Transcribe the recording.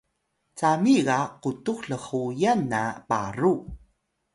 cami ga qutux lhuyan na paru